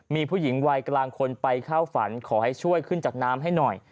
มีผู้หญิงวัยกลางคนไปเข้าฝันขอให้ช่วยขึ้นจากน้ำให้หน่อย